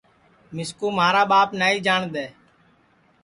مِسکُو مھارا ٻاپ نائی جاٹؔ دؔے